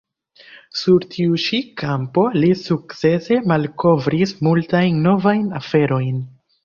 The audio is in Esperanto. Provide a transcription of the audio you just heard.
Sur tiu ĉi kampo li sukcese malkovris multajn novajn aferojn.